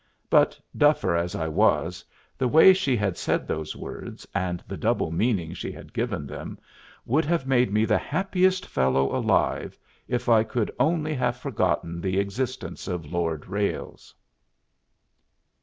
But, duffer as I was, the way she had said those words, and the double meaning she had given them, would have made me the happiest fellow alive if I could only have forgotten the existence of Lord Ralles.